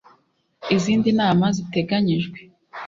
Izindi nama ziteganyijwe